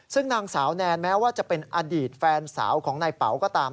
ซึ่งนางสาวแนนแม้ว่าจะเป็นอดีตแฟนสาวของนายเป๋าก็ตาม